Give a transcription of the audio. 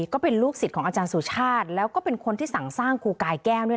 ก็เป็นลูกศิษย์ของอาจารย์สุชาติแล้วก็เป็นคนที่สั่งสร้างครูกายแก้วด้วย